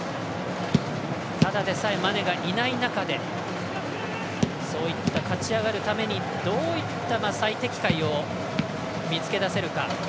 ただでさえマネがいない中でそういった勝ち上がるためにどういった最適解を見つけだせるか。